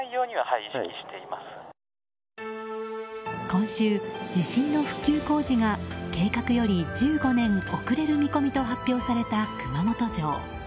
今週、地震の復旧工事が計画より１５年遅れる見込みと発表された熊本城。